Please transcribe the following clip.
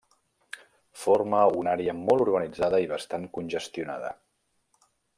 Forma una àrea molt urbanitzada i bastant congestionada.